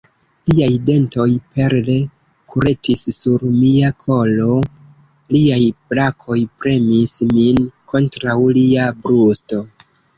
Liaj dentoj perle kuretis sur mia kolo, liaj brakoj premis min kontraŭ lia brusto.